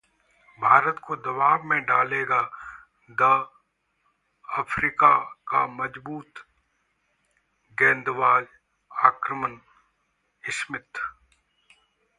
भारत को दबाव में डालेगा द. अफ्रीका का मजबूत गेंदबाजी आक्रमण: स्मिथ